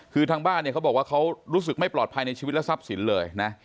คือทางบ้านเนี่ยเขาบอกว่าเขารู้สึกไม่ปลอดภัยในชีวิตและทรัพย์สินเลยนะ